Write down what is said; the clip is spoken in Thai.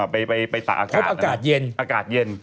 ไปตากอากาศนะครับอากาศเย็น